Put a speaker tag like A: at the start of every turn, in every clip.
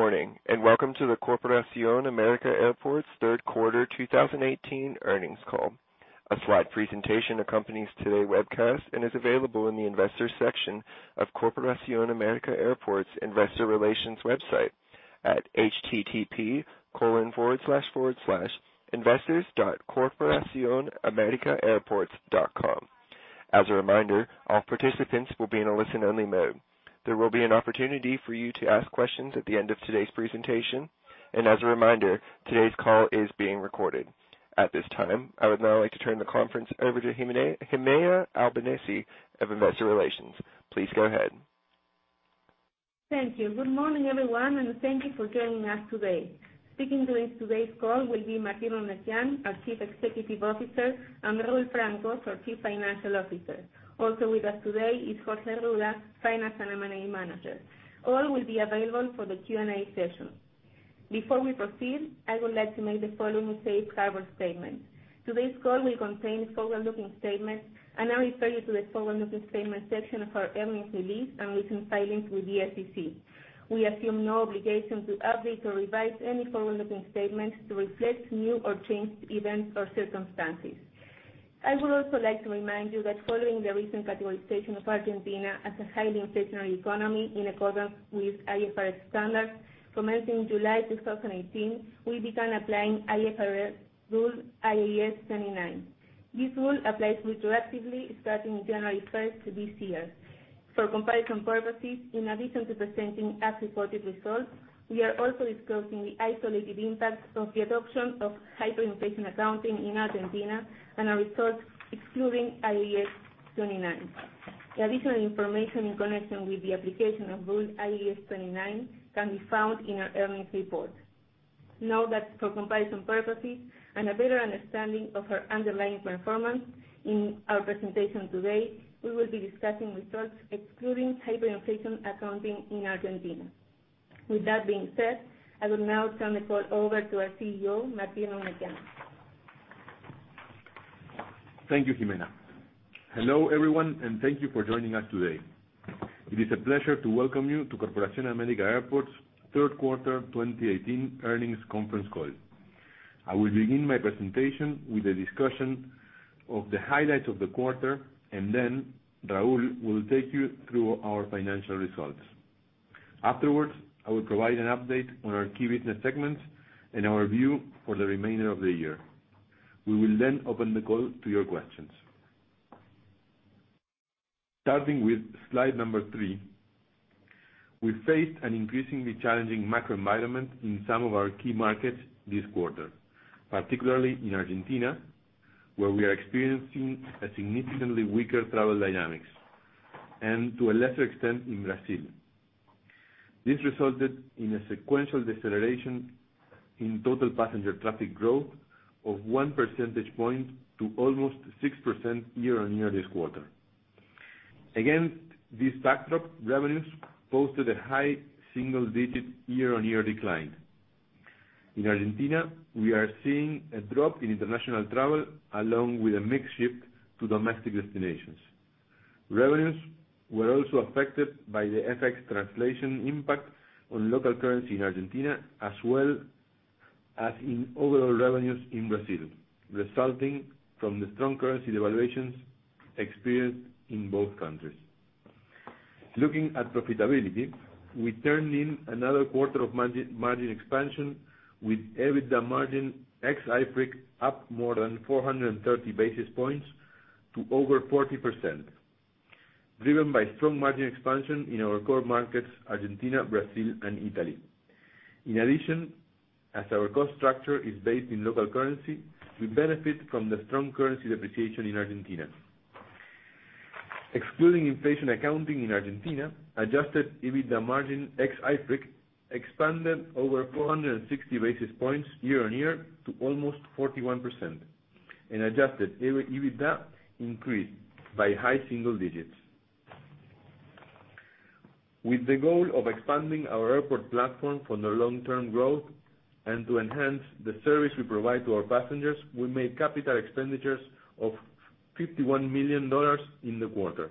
A: Good morning, and welcome to the Corporación América Airports third quarter 2018 earnings call. A slide presentation accompanies today's webcast and is available in the Investors section of Corporación América Airports Investor Relations website at http://investors.corporacionamericaairports.com. As a reminder, all participants will be in a listen-only mode. There will be an opportunity for you to ask questions at the end of today's presentation. As a reminder, today's call is being recorded. At this time, I would now like to turn the conference over to Gimena Albanesi of Investor Relations. Please go ahead.
B: Thank you. Good morning, everyone, and thank you for joining us today. Speaking during today's call will be Martín Eurnekian, our Chief Executive Officer, and Raúl Francos, our Chief Financial Officer. Also with us today is Jorge Arruda, Finance and M&A Manager. All will be available for the Q&A session. Before we proceed, I would like to make the following safe harbor statement. Today's call will contain forward-looking statements, and I refer you to the forward-looking statement section of our earnings release and recent filings with the SEC. I would also like to remind you that following the recent categorization of Argentina as a highly inflationary economy, in accordance with IFRS standards, commencing July 2018, we began applying IFRS Rule IAS 29. This rule applies retroactively, starting January 1st of this year. For comparison purposes, in addition to presenting as-reported results, we are also disclosing the isolated impact of the adoption of hyperinflation accounting in Argentina and our results excluding IAS 29. The additional information in connection with the application of Rule IAS 29 can be found in our earnings report. Note that for comparison purposes and a better understanding of our underlying performance, in our presentation today, we will be discussing results excluding hyperinflation accounting in Argentina. With that being said, I will now turn the call over to our CEO, Martín Eurnekian.
C: Thank you, Gimena. Hello, everyone, and thank you for joining us today. It is a pleasure to welcome you to Corporación América Airport's third quarter 2018 earnings conference call. I will begin my presentation with a discussion of the highlights of the quarter, and then Raúl will take you through our financial results. Afterwards, I will provide an update on our key business segments and our view for the remainder of the year. We will then open the call to your questions. Starting with slide number three, we faced an increasingly challenging macro environment in some of our key markets this quarter, particularly in Argentina, where we are experiencing significantly weaker travel dynamics, and to a lesser extent, in Brazil. This resulted in a sequential deceleration in total passenger traffic growth of 1 percentage point to almost 6% year-on-year this quarter. Against this backdrop, revenues posted a high single-digit year-on-year decline. In Argentina, we are seeing a drop in international travel along with a mix shift to domestic destinations. Revenues were also affected by the FX translation impact on local currency in Argentina, as well as in overall revenues in Brazil, resulting from the strong currency devaluations experienced in both countries. Looking at profitability, we turned in another quarter of margin expansion with EBITDA margin ex-IFRIC up more than 430 basis points to over 40%, driven by strong margin expansion in our core markets, Argentina, Brazil and Italy. In addition, as our cost structure is based in local currency, we benefit from the strong currency depreciation in Argentina. Excluding inflation accounting in Argentina, adjusted EBITDA margin ex-IFRIC expanded over 460 basis points year-on-year to almost 41%, and adjusted EBITDA increased by high single digits. With the goal of expanding our airport platform for the long-term growth and to enhance the service we provide to our passengers, we made capital expenditures of $51 million in the quarter.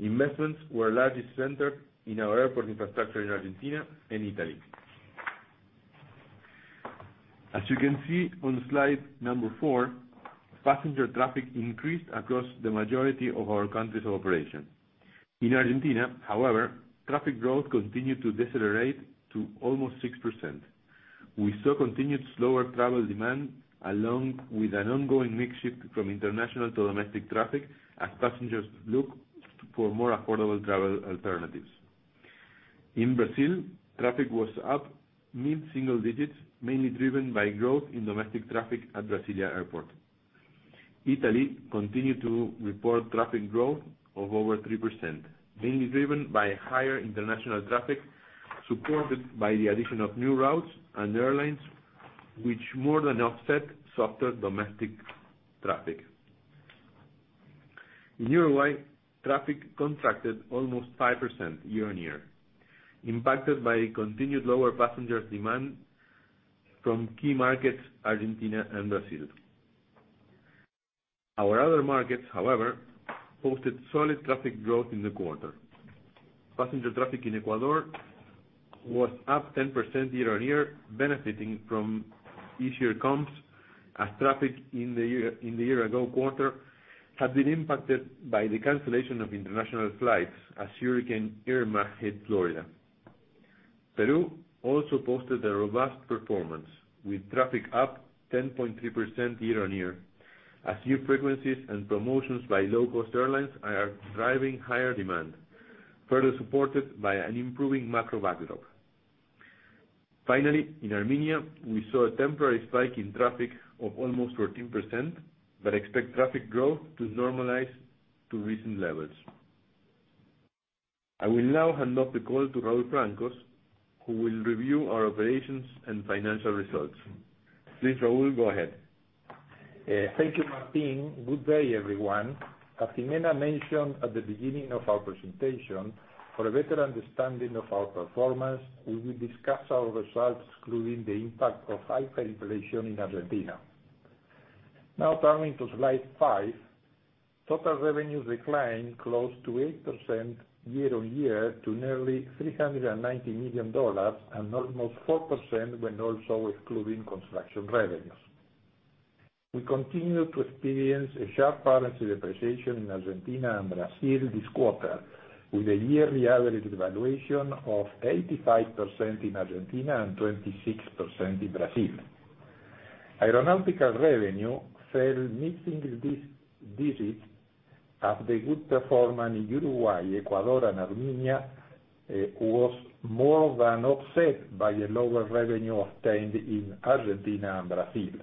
C: Investments were largely centered in our airport infrastructure in Argentina and Italy. As you can see on slide number four, passenger traffic increased across the majority of our countries of operation. In Argentina, however, traffic growth continued to decelerate to almost 6%. We saw continued slower travel demand, along with an ongoing mix shift from international to domestic traffic as passengers look for more affordable travel alternatives. In Brazil, traffic was up mid-single digits, mainly driven by growth in domestic traffic at Brasilia Airport. Italy continued to report traffic growth of over 3%, mainly driven by higher international traffic supported by the addition of new routes and airlines, which more than offset softer domestic traffic. In Uruguay, traffic contracted almost 5% year-on-year, impacted by continued lower passenger demand from key markets, Argentina and Brazil. Our other markets, however, posted solid traffic growth in the quarter. Passenger traffic in Ecuador was up 10% year-on-year, benefiting from easier comps as traffic in the year-ago quarter had been impacted by the cancellation of international flights as Hurricane Irma hit Florida. Peru also posted a robust performance, with traffic up 10.3% year-on-year, as new frequencies and promotions by low-cost airlines are driving higher demand, further supported by an improving macro backdrop. Finally, in Armenia, we saw a temporary spike in traffic of almost 14%, but expect traffic growth to normalize to recent levels. I will now hand off the call to Raúl Francos, who will review our operations and financial results. Please, Raúl, go ahead.
D: Thank you, Martín. Good day, everyone. As Gimena mentioned at the beginning of our presentation, for a better understanding of our performance, we will discuss our results excluding the impact of hyperinflation in Argentina. Now turning to slide five. Total revenues declined close to 8% year-on-year to nearly $390 million and almost 4% when also excluding construction revenues. We continued to experience a sharp currency depreciation in Argentina and Brazil this quarter, with a year-on-year devaluation of 85% in Argentina and 26% in Brazil. Aeronautical revenue fell mid-single digits as the good performance in Uruguay, Ecuador, and Armenia was more than offset by the lower revenue obtained in Argentina and Brazil.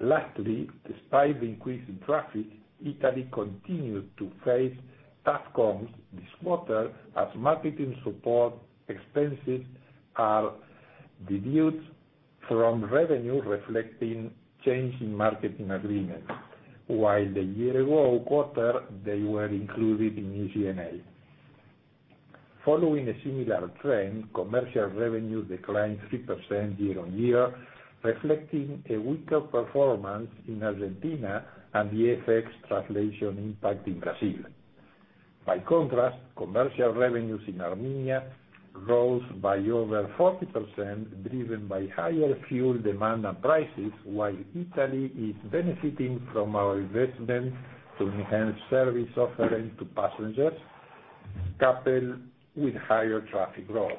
D: Lastly, despite the increase in traffic, Italy continued to face tough comps this quarter as marketing support expenses are deduced from revenue reflecting change in marketing agreements. While the year-ago quarter, they were included in SG&A. Following a similar trend, commercial revenue declined 3% year-on-year, reflecting a weaker performance in Argentina and the FX translation impact in Brazil. By contrast, commercial revenues in Armenia rose by over 40%, driven by higher fuel demand and prices, while Italy is benefiting from our investment to enhance service offering to passengers, coupled with higher traffic growth.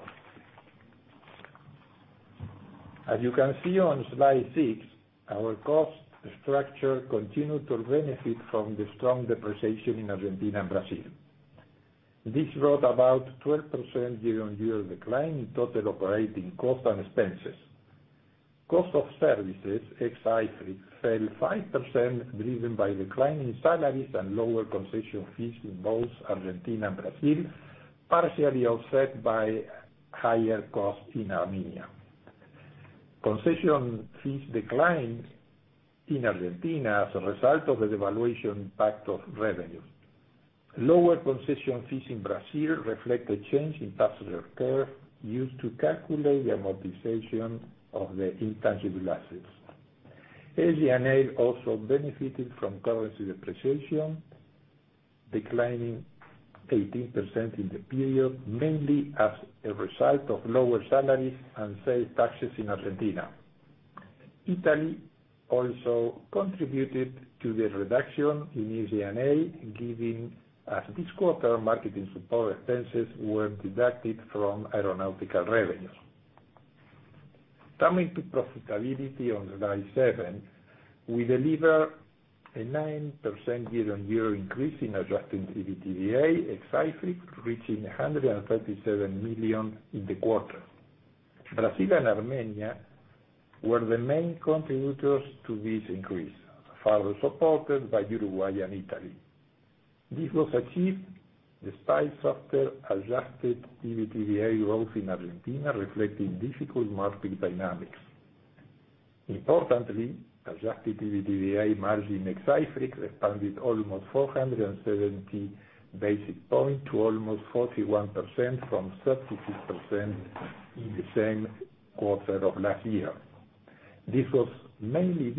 D: As you can see on slide six, our cost structure continued to benefit from the strong depreciation in Argentina and Brazil. This brought about a 12% year-on-year decline in total operating costs and expenses. Cost of services ex-IFRIC fell 5%, driven by declining salaries and lower concession fees in both Argentina and Brazil, partially offset by higher costs in Armenia. Concession fees declined in Argentina as a result of the devaluation impact of revenues. Lower concession fees in Brazil reflect a change in passenger curve used to calculate the amortization of the intangible assets. SG&A also benefited from currency depreciation, declining 18% in the period, mainly as a result of lower salaries and sales taxes in Argentina. Italy also contributed to the reduction in SG&A, given as this quarter, marketing support expenses were deducted from aeronautical revenues. Coming to profitability on slide seven, we deliver a 9% year-on-year increase in adjusted EBITDA ex-IFRIC, reaching $137 million in the quarter. Brazil and Armenia were the main contributors to this increase, further supported by Uruguay and Italy. This was achieved despite softer adjusted EBITDA growth in Argentina, reflecting difficult market dynamics. Importantly, adjusted EBITDA margin ex-IFRIC expanded almost 470 basis points to almost 41% from 36% in the same quarter of last year. This was mainly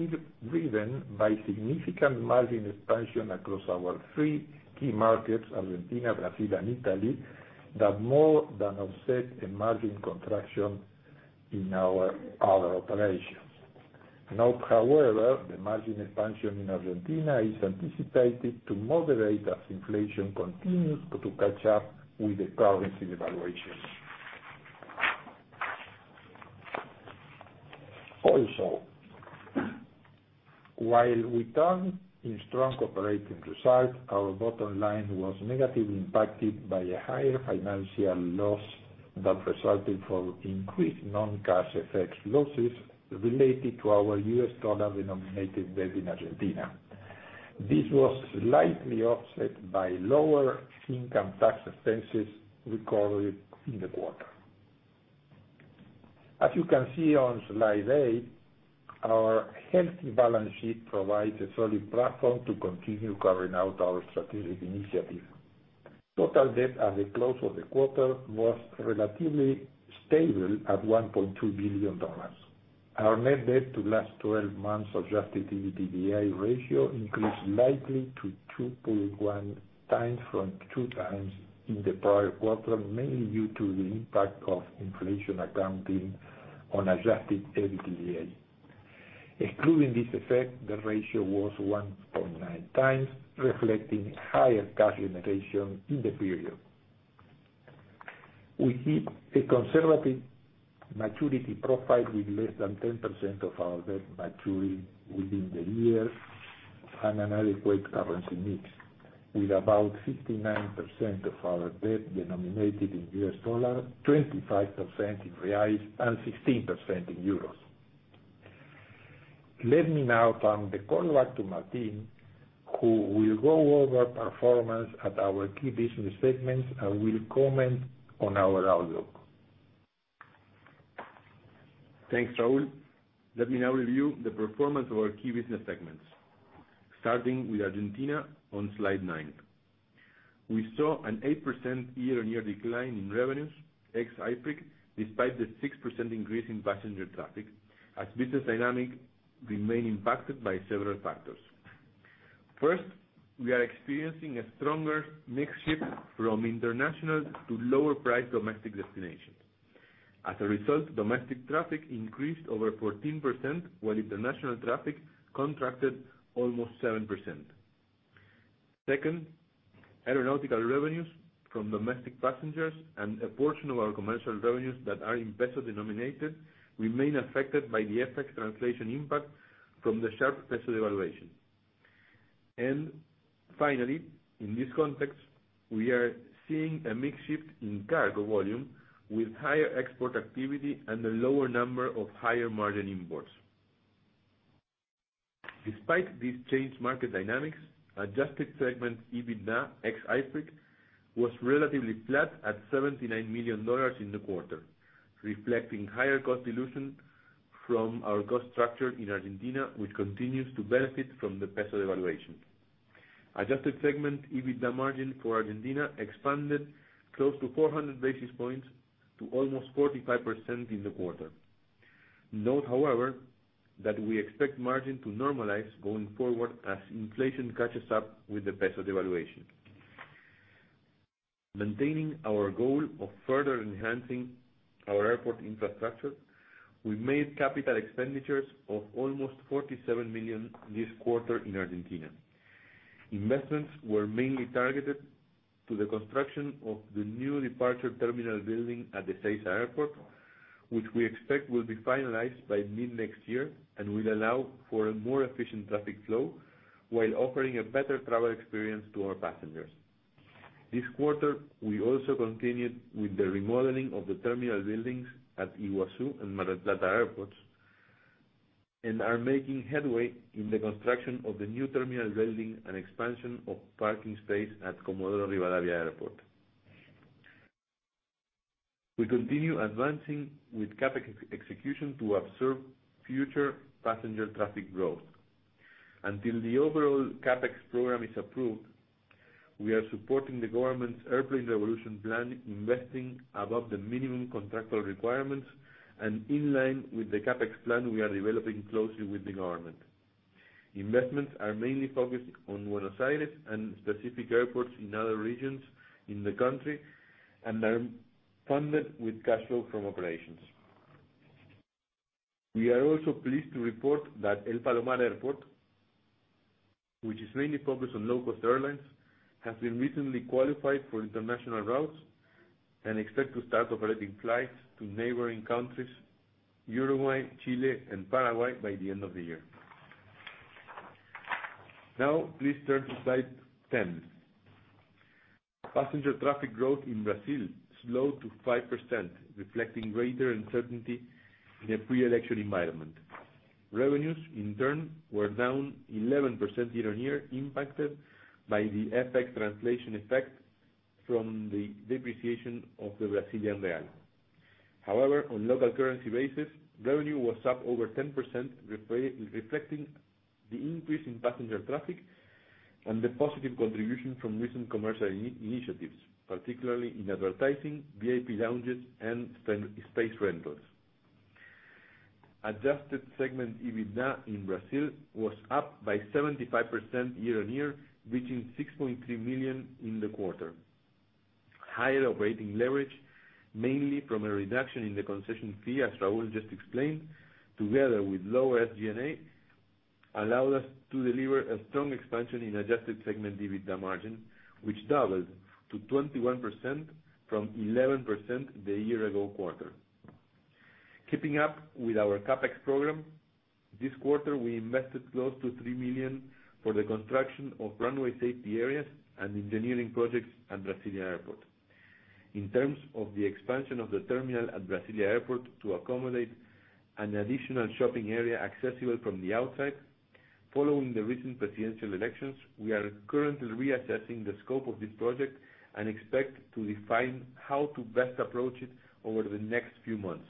D: driven by significant margin expansion across our three key markets, Argentina, Brazil, and Italy, that more than offset a margin contraction in our other operations. Note, however, the margin expansion in Argentina is anticipated to moderate as inflation continues to catch up with the currency devaluation. Also, while we turned in strong operating results, our bottom line was negatively impacted by a higher financial loss that resulted from increased non-cash FX losses related to our U.S. dollar-denominated debt in Argentina. This was slightly offset by lower income tax expenses recorded in the quarter. As you can see on slide eight, our healthy balance sheet provides a solid platform to continue carrying out our strategic initiatives. Total debt at the close of the quarter was relatively stable at $1.2 billion. Our net debt to last 12 months adjusted EBITDA ratio increased slightly to 2.1x from 2x in the prior quarter, mainly due to the impact of inflation accounting on adjusted EBITDA. Excluding this effect, the ratio was 1.9x, reflecting higher cash generation in the period. We keep a conservative maturity profile with less than 10% of our debt maturing within the year, and an adequate currency mix, with about 59% of our debt denominated in U.S. dollar, 25% in BRL, and 16% in EUR. Let me now turn the call back to Martín, who will go over performance at our key business segments and will comment on our outlook.
C: Thanks, Raúl. Let me now review the performance of our key business segments. Starting with Argentina on slide nine. We saw an 8% year-on-year decline in revenues ex-IFRIC, despite the 6% increase in passenger traffic, as business dynamics remain impacted by several factors. First, we are experiencing a stronger mix shift from international to lower priced domestic destinations. As a result, domestic traffic increased over 14%, while international traffic contracted almost 7%. Second, aeronautical revenues from domestic passengers and a portion of our commercial revenues that are in peso denominated remain affected by the FX translation impact from the sharp peso devaluation. Finally, in this context, we are seeing a mix shift in cargo volume with higher export activity and a lower number of higher margin imports. Despite these changed market dynamics, adjusted segment EBITDA ex-IFRIC was relatively flat at $79 million in the quarter, reflecting higher cost dilution from our cost structure in Argentina, which continues to benefit from the peso devaluation. Adjusted segment EBITDA margin for Argentina expanded close to 400 basis points to almost 45% in the quarter. Note, however, that we expect margin to normalize going forward as inflation catches up with the peso devaluation. Maintaining our goal of further enhancing our airport infrastructure, we made capital expenditures of almost $47 million this quarter in Argentina. Investments were mainly targeted to the construction of the new departure terminal building at the Ezeiza Airport, which we expect will be finalized by mid-next year and will allow for a more efficient traffic flow while offering a better travel experience to our passengers. This quarter, we also continued with the remodeling of the terminal buildings at Iguazu and Mar del Plata airports, and are making headway in the construction of the new terminal building and expansion of parking space at Comodoro Rivadavia Airport. We continue advancing with CapEx execution to absorb future passenger traffic growth. Until the overall CapEx program is approved, we are supporting the government's airplane revolution plan, investing above the minimum contractual requirements and in line with the CapEx plan we are developing closely with the government. Investments are mainly focused on Buenos Aires and specific airports in other regions in the country and are funded with cash flow from operations. We are also pleased to report that El Palomar Airport, which is mainly focused on low-cost airlines, has been recently qualified for international routes and expect to start operating flights to neighboring countries Uruguay, Chile, and Paraguay by the end of the year. Please turn to slide 10. Passenger traffic growth in Brazil slowed to 5%, reflecting greater uncertainty in a pre-election environment. Revenues, in turn, were down 11% year-on-year, impacted by the FX translation effect from the depreciation of the Brazilian real. However, on local currency basis, revenue was up over 10%, reflecting the increase in passenger traffic and the positive contribution from recent commercial initiatives, particularly in advertising, VIP lounges, and space rentals. Adjusted segment EBITDA in Brazil was up by 75% year-on-year, reaching 6.3 million in the quarter. Higher operating leverage, mainly from a reduction in the concession fee, as Raúl just explained, together with lower SG&A, allowed us to deliver a strong expansion in adjusted segment EBITDA margin, which doubled to 21% from 11% the year-ago quarter. Keeping up with our CapEx program, this quarter, we invested close to $3 million for the construction of runway safety areas and engineering projects at Brasília Airport. In terms of the expansion of the terminal at Brasília Airport to accommodate an additional shopping area accessible from the outside, following the recent presidential elections, we are currently reassessing the scope of this project and expect to define how to best approach it over the next few months.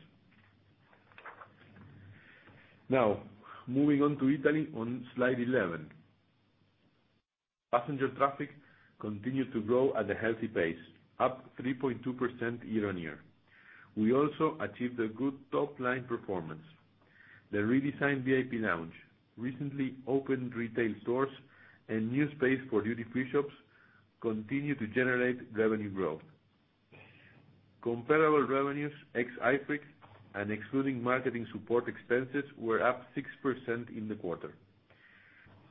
C: Moving on to Italy on Slide 11. Passenger traffic continued to grow at a healthy pace, up 3.2% year-on-year. We also achieved a good top-line performance. The redesigned VIP lounge, recently opened retail stores, and new space for duty-free shops continue to generate revenue growth. Comparable revenues, ex IFRIC, and excluding marketing support expenses, were up 6% in the quarter.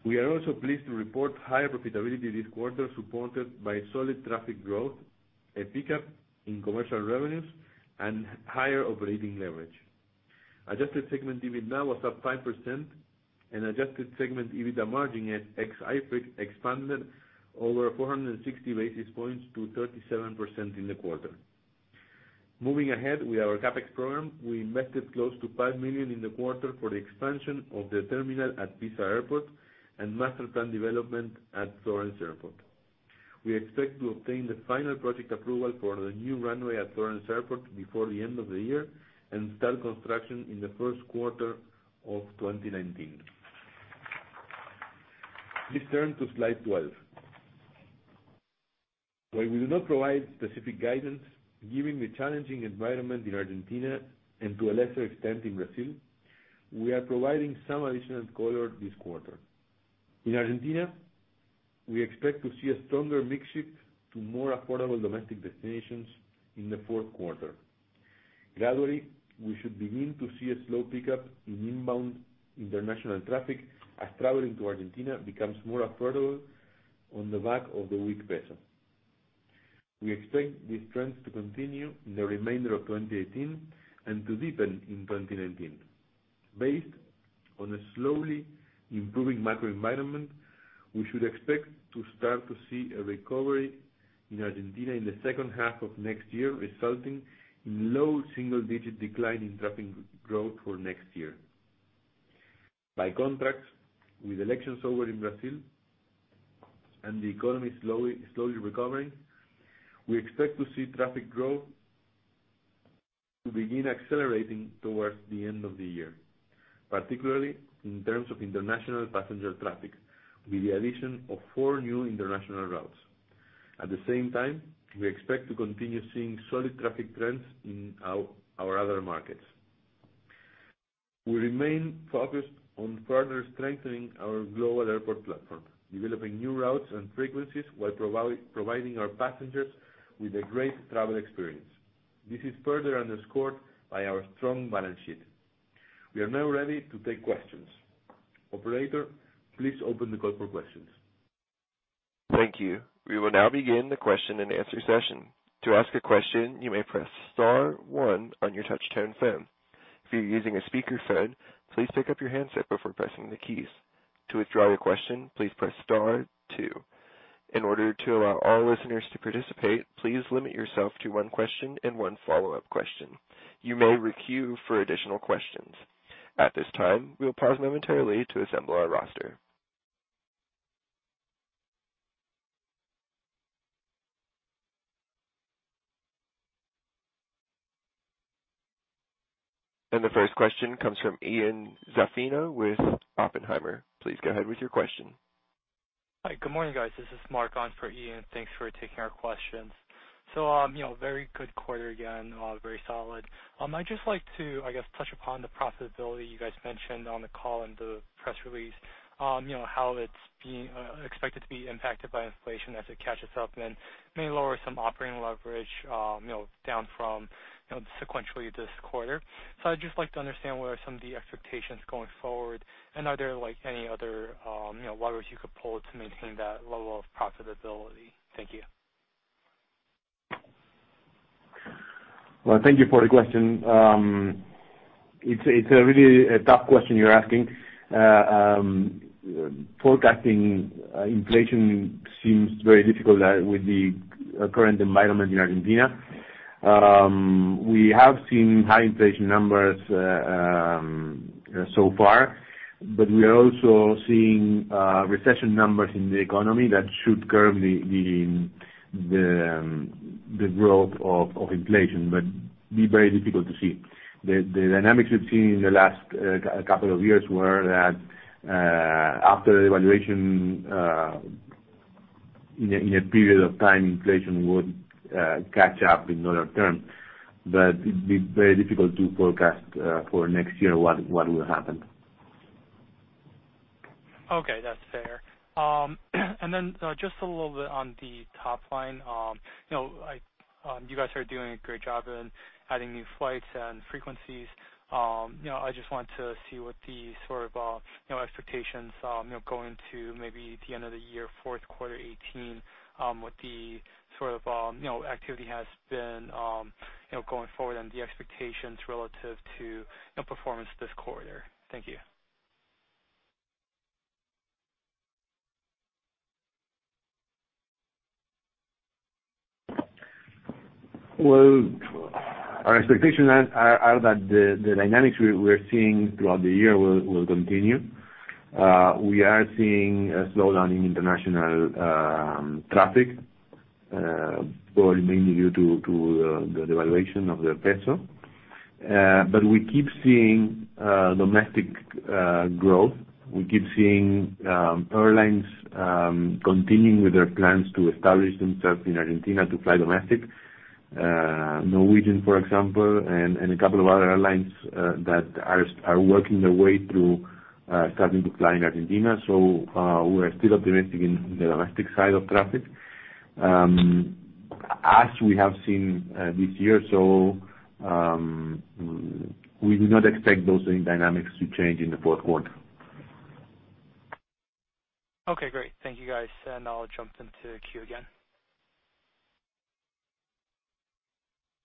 C: We are also pleased to report higher profitability this quarter, supported by solid traffic growth, a pickup in commercial revenues, and higher operating leverage. Adjusted segment EBITDA was up 5%, and adjusted segment EBITDA margin at ex IFRIC expanded over 460 basis points to 37% in the quarter. Moving ahead with our CapEx program, we invested close to $5 million in the quarter for the expansion of the terminal at Pisa Airport and master plan development at Florence Airport. We expect to obtain the final project approval for the new runway at Florence Airport before the end of the year and start construction in the first quarter of 2019. Please turn to Slide 12. While we do not provide specific guidance, given the challenging environment in Argentina and to a lesser extent in Brazil, we are providing some additional color this quarter. In Argentina, we expect to see a stronger mix shift to more affordable domestic destinations in the fourth quarter. Gradually, we should begin to see a slow pickup in inbound international traffic as traveling to Argentina becomes more affordable on the back of the weak peso. We expect this trend to continue in the remainder of 2018 and to deepen in 2019. Based on a slowly improving macro environment, we should expect to start to see a recovery in Argentina in the second half of next year, resulting in low single-digit decline in traffic growth for next year. By contrast, with elections over in Brazil and the economy slowly recovering, we expect to see traffic growth to begin accelerating towards the end of the year, particularly in terms of international passenger traffic, with the addition of four new international routes. At the same time, we expect to continue seeing solid traffic trends in our other markets. We remain focused on further strengthening our global airport platform, developing new routes and frequencies while providing our passengers with a great travel experience. This is further underscored by our strong balance sheet. We are now ready to take questions. Operator, please open the call for questions.
A: Thank you. We will now begin the question-and-answer session. To ask a question, you may press * one on your touch-tone phone. If you're using a speakerphone, please pick up your handset before pressing the keys. To withdraw your question, please press * two. In order to allow all listeners to participate, please limit yourself to one question and one follow-up question. You may re-queue for additional questions. At this time, we will pause momentarily to assemble our roster. The first question comes from Ian Zaffino with Oppenheimer. Please go ahead with your question.
E: Hi. Good morning, guys. This is Mark on for Ian. Thanks for taking our questions. Very good quarter again, very solid. I'd just like to, I guess, touch upon the profitability you guys mentioned on the call and the press release. How it's expected to be impacted by inflation as it catches up and may lower some operating leverage down from sequentially this quarter. I'd just like to understand what are some of the expectations going forward, and are there any other levers you could pull to maintain that level of profitability? Thank you.
C: Well, thank you for the question. It's a really tough question you're asking. Forecasting inflation seems very difficult with the current environment in Argentina. We have seen high inflation numbers so far, but we are also seeing recession numbers in the economy that should curb the growth of inflation, but be very difficult to see. The dynamics we've seen in the last couple of years were that after the evaluation, in a period of time, inflation would catch up in other terms. It'd be very difficult to forecast for next year what will happen.
E: Okay. That's fair. Just a little bit on the top line. You guys are doing a great job in adding new flights and frequencies. I just want to see what the sort of expectations going to maybe the end of the year, fourth quarter 2018, what the sort of activity has been going forward and the expectations relative to performance this quarter. Thank you.
C: Well, our expectations are that the dynamics we are seeing throughout the year will continue. We are seeing a slowdown in international traffic. Probably mainly due to the devaluation of the peso. We keep seeing domestic growth. We keep seeing airlines continuing with their plans to establish themselves in Argentina to fly domestic. Norwegian, for example, and a couple of other airlines that are working their way to starting to fly in Argentina. We're still optimistic in the domestic side of traffic. As we have seen this year, we do not expect those same dynamics to change in the fourth quarter.
E: Okay, great. Thank you, guys, and I'll jump into queue again.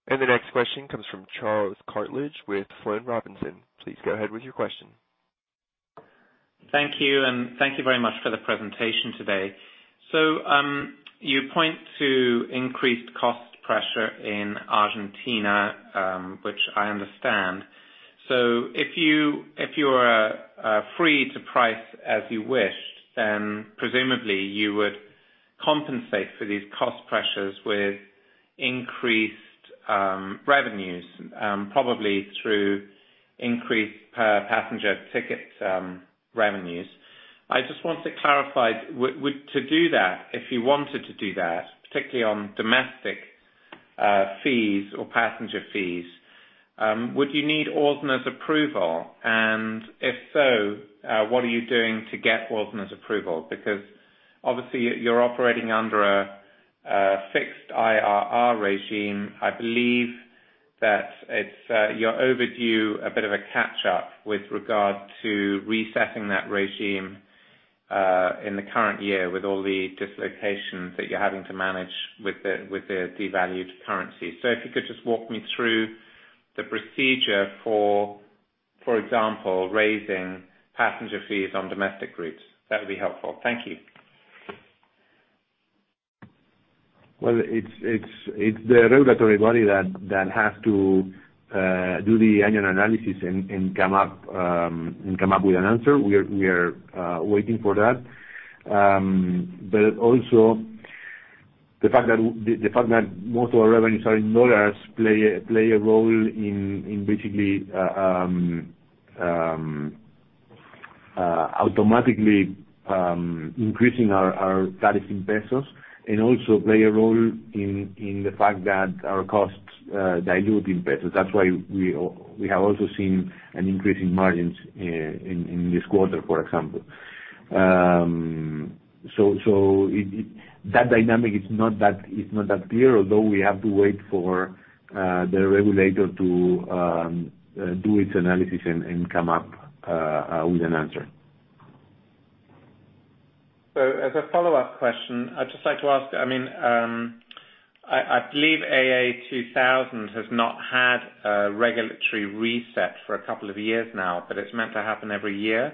A: The next question comes from Charles Cartledge with Flynn Robinson. Please go ahead with your question.
F: Thank you, and thank you very much for the presentation today. You point to increased cost pressure in Argentina, which I understand. If you were free to price as you wish, presumably you would compensate for these cost pressures with increased revenues, probably through increased passenger ticket revenues. I just want to clarify, to do that, if you wanted to do that, particularly on domestic fees or passenger fees, would you need ORSNA's approval? If so, what are you doing to get ORSNA's approval? Obviously you're operating under a fixed IRR regime. I believe that you're overdue a bit of a catch-up with regard to resetting that regime in the current year with all the dislocations that you're having to manage with the devalued currency. If you could just walk me through the procedure, for example, raising passenger fees on domestic routes, that would be helpful. Thank you.
C: Well, it's the regulatory body that has to do the annual analysis and come up with an answer. We are waiting for that. Also, the fact that most of our revenues are in $ play a role in basically automatically increasing our tariffs in ARS and also play a role in the fact that our costs dilute in ARS. That's why we have also seen an increase in margins in this quarter, for example. That dynamic is not that clear, although we have to wait for the regulator to do its analysis and come up with an answer.
F: As a follow-up question, I'd just like to ask, I believe AA2000 has not had a regulatory reset for a couple of years now, but it's meant to happen every year.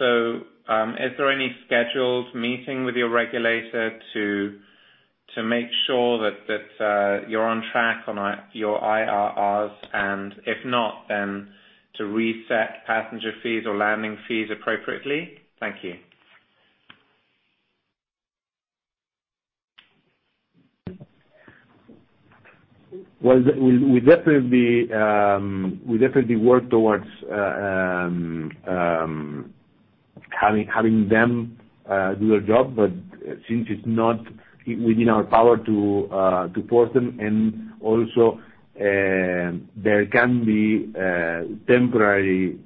F: Is there any scheduled meeting with your regulator to make sure that you're on track on your IRRs, and if not, to reset passenger fees or landing fees appropriately? Thank you.
C: Well, we definitely work towards having them do their job, but since it's not within our power to force them, and also there can be temporary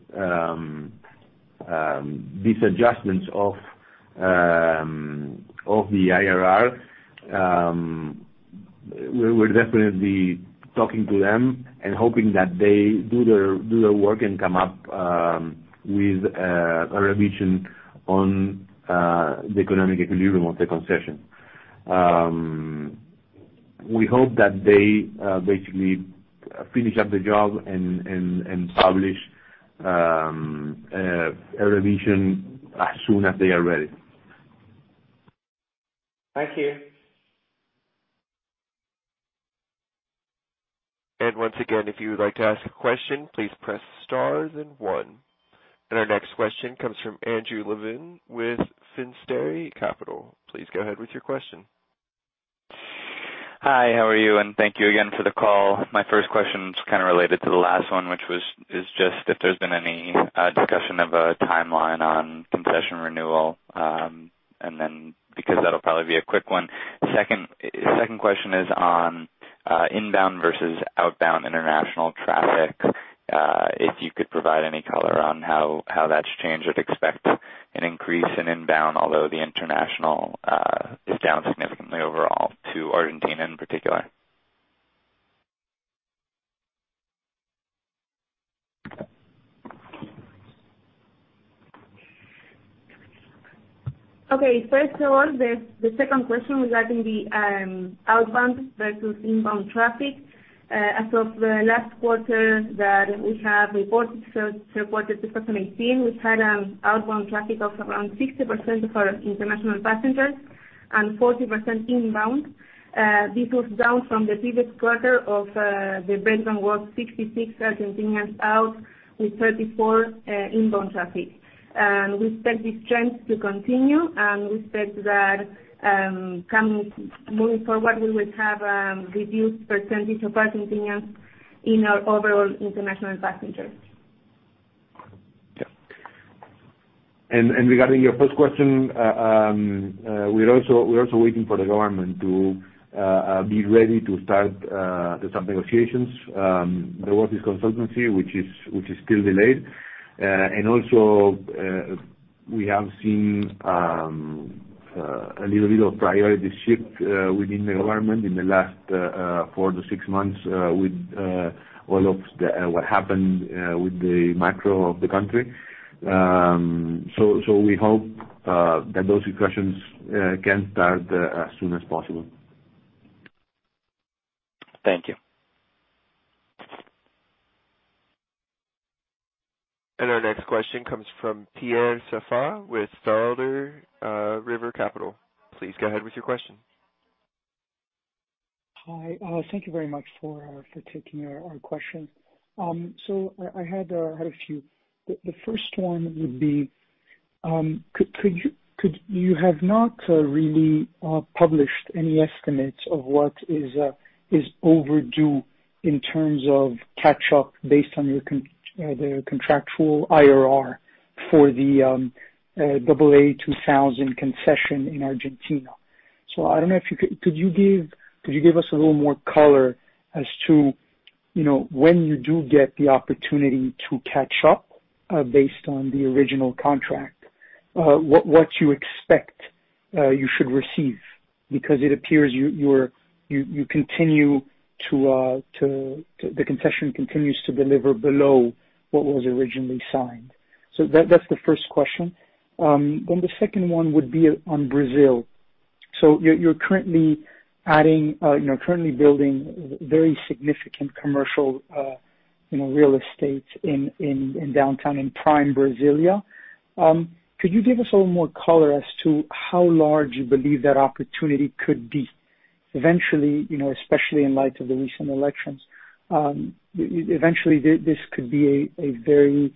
C: dis-adjustments of the IRR. We're definitely talking to them and hoping that they do their work and come up with a revision on the economic equilibrium of the concession. We hope that they basically finish up the job and publish a revision as soon as they are ready.
F: Thank you.
A: Once again, if you would like to ask a question, please press star then one. Our next question comes from Andrew Levin with Finisterre Capital. Please go ahead with your question.
G: Hi, how are you? Thank you again for the call. My first question is kind of related to the last one, which is just if there's been any discussion of a timeline on concession renewal, and then, because that'll probably be a quick one. Second question is on inbound versus outbound international traffic. If you could provide any color on how that's changed. I'd expect an increase in inbound, although the international is down significantly overall to Argentina in particular.
B: Okay. First of all, the second question regarding the outbound versus inbound traffic. As of the last quarter that we have reported, so third quarter 2018, we've had an outbound traffic of around 60% of our international passengers. And 40% inbound. This was down from the previous quarter of the breakdown was 66 Argentinians out, with 34 inbound traffic. We expect this trend to continue, and we expect that moving forward, we will have a reduced percentage of Argentinians in our overall international passengers.
C: Yeah. Regarding your first question, we are also waiting for the government to be ready to start the negotiations. There was this consultancy, which is still delayed. Also, we have seen a little bit of priority shift within the government in the last four to six months with all of what happened with the macro of the country. We hope that those discussions can start as soon as possible.
G: Thank you.
A: Our next question comes from Pierre Saffar with Star Alder River Capital. Please go ahead with your question.
H: Hi. Thank you very much for taking our question. I had a few. The first one would be, you have not really published any estimates of what is overdue in terms of catch-up based on your contractual IRR for the AA2000 concession in Argentina. I don't know if you could. Could you give us a little more color as to, when you do get the opportunity to catch up, based on the original contract, what do you expect you should receive? Because it appears the concession continues to deliver below what was originally signed. That's the first question. The second one would be on Brazil. You're currently building very significant commercial real estate in downtown in prime Brasilia. Could you give us a little more color as to how large you believe that opportunity could be? Eventually, especially in light of the recent elections, eventually, this could be a very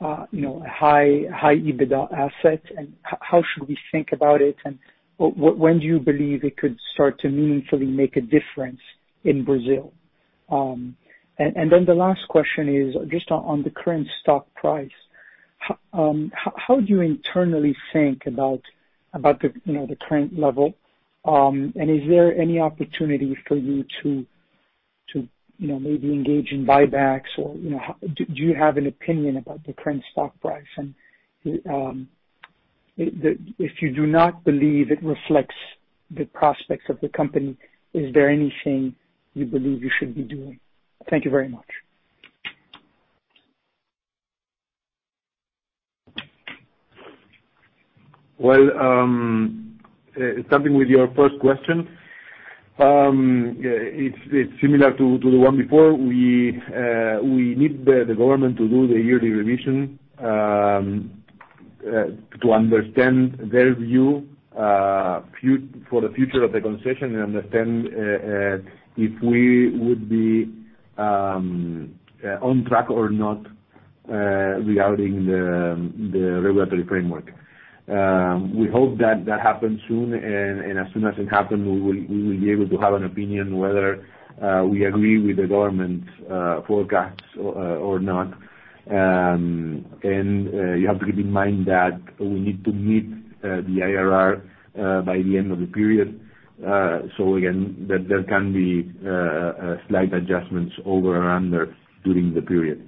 H: high EBITDA asset. How should we think about it, and when do you believe it could start to meaningfully make a difference in Brazil? The last question is just on the current stock price. How do you internally think about the current level? Is there any opportunity for you to maybe engage in buybacks or do you have an opinion about the current stock price? If you do not believe it reflects the prospects of the company, is there anything you believe you should be doing? Thank you very much.
C: Well, starting with your first question. It's similar to the one before. We need the government to do the yearly revision, to understand their view for the future of the concession and understand if we would be on track or not regarding the regulatory framework. We hope that happens soon, and as soon as it happens, we will be able to have an opinion whether we agree with the government's forecasts or not. You have to keep in mind that we need to meet the IRR by the end of the period. Again, there can be slight adjustments over or under during the period.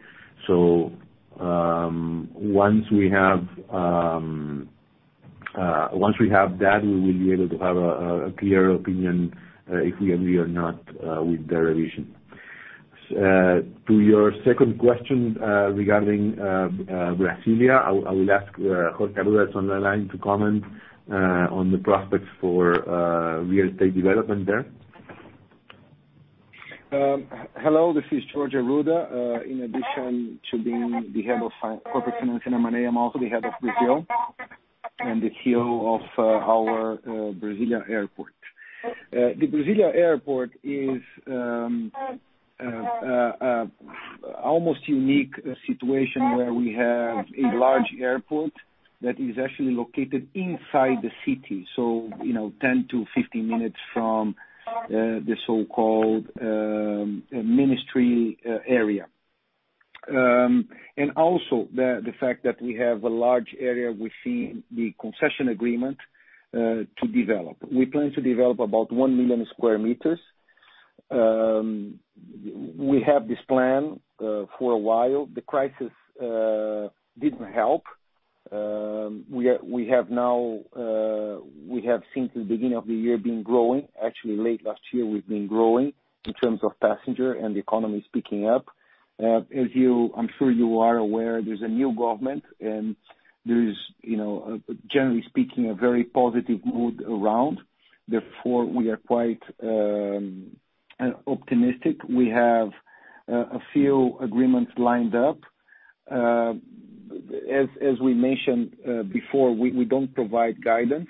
C: Once we have that, we will be able to have a clear opinion, if we agree or not with their revision. To your second question, regarding Brasilia, I will ask Jorge Arruda, who's on the line, to comment on the prospects for real estate development there.
I: Hello, this is Jorge Arruda. In addition to being the head of corporate finance in América, I'm also the head of Brazil and the CEO of our Brasilia Airport. The Brasilia Airport is almost a unique situation where we have a large airport that is actually located inside the city, so 10 to 15 minutes from the so-called ministry area. Also the fact that we have a large area within the concession agreement to develop. We plan to develop about 1 million square meters. We have this plan for a while. The crisis didn't help. We have since the beginning of the year been growing. Actually, late last year, we've been growing in terms of passenger and the economy is picking up. I'm sure you are aware there's a new government and there is, generally speaking, a very positive mood around. Therefore, we are quite optimistic. We have a few agreements lined up. As we mentioned before, we don't provide guidance.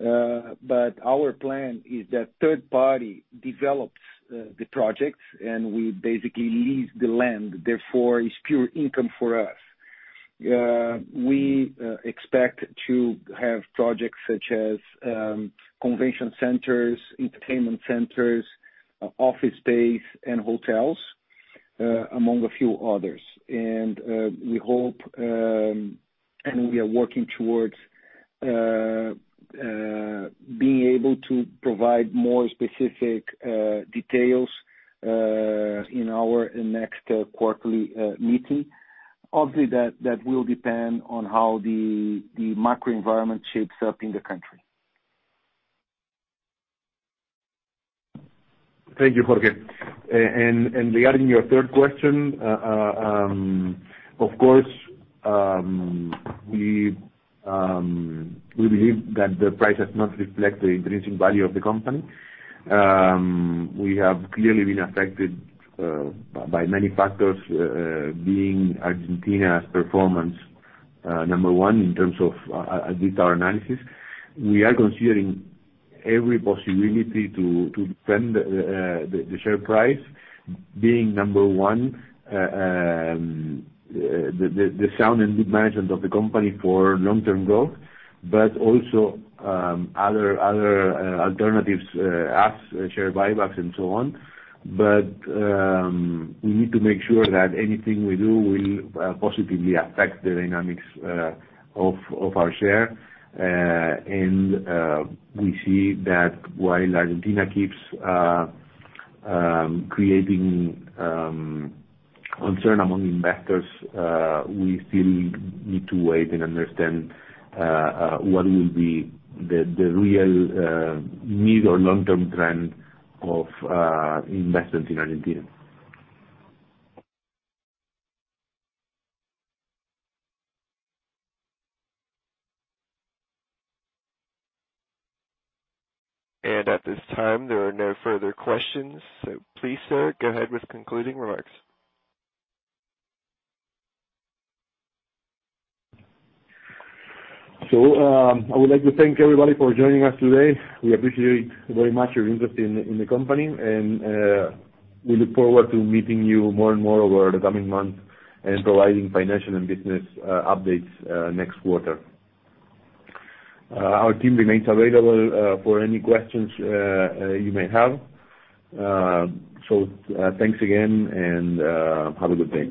I: Our plan is that third party develops the projects, and we basically lease the land, therefore, is pure income for us. We expect to have projects such as convention centers, entertainment centers, office space, and hotels, among a few others. We hope, and we are working towards being able to provide more specific details in our next quarterly meeting. Obviously, that will depend on how the macro environment shapes up in the country.
C: Thank you, Jorge. Regarding your third question, of course, we believe that the price does not reflect the increasing value of the company. We have clearly been affected by many factors, being Argentina's performance number one in terms of detail analysis. We are considering every possibility to defend the share price. Being number one, the sound and good management of the company for long-term growth, but also other alternatives as share buybacks and so on. We need to make sure that anything we do will positively affect the dynamics of our share. We see that while Argentina keeps creating concern among investors, we still need to wait and understand what will be the real mid or long-term trend of investments in Argentina.
A: At this time, there are no further questions. Please, sir, go ahead with concluding remarks.
C: I would like to thank everybody for joining us today. We appreciate very much your interest in the company, and we look forward to meeting you more and more over the coming months and providing financial and business updates next quarter. Our team remains available for any questions you may have. Thanks again, and have a good day.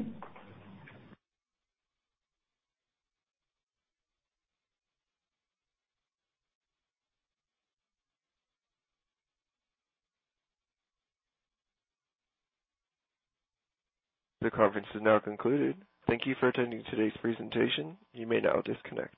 A: The conference is now concluded. Thank you for attending today's presentation. You may now disconnect.